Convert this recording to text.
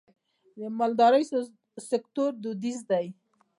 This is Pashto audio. د مالدارۍ سکتور دودیز دی